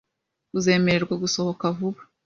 Uzemererwa gusohoka vuba